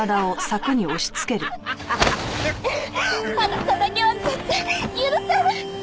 あなただけは絶対許さない！